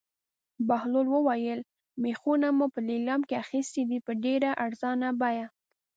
بهلول وویل: مېخونه مو په لېلام کې اخیستي دي په ډېره ارزانه بیه.